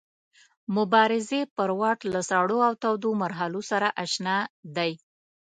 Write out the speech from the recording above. مبارزې پر واټ له سړو او تودو مرحلو سره اشنا دی.